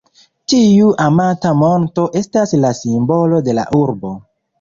Tiu amata monto estas la simbolo de la urbo.